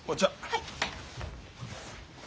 はい。